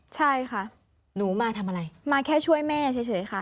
ใช่ค่ะหนูมาทำอะไรมาแค่ช่วยแม่เฉยค่ะ